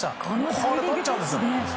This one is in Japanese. これとっちゃうんですよ。